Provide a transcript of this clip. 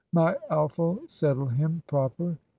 My Alf'll settle him proper.